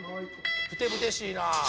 「ふてぶてしいな」